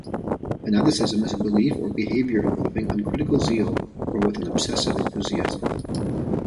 Fanaticism is a belief or behavior involving uncritical zeal or with an obsessive enthusiasm.